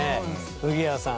ウギアさん。